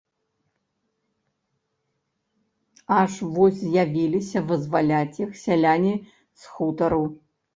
Аж вось з'явіліся вызваляць іх сяляне з хутару.